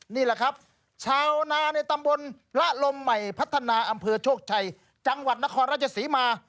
นี่แหละครับชาวนาในตำบลละลมใหม่พัฒนาอำเภอโชคชัยจังหวัดนครราชศรีมา